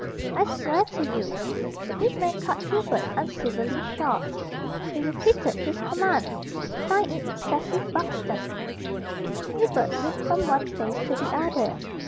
"I swear to you " The big man cut Hubert uncivilly short. He repeated his command. "Sign it 'Cecil Buxton.'" Hubert looked from one face to the other.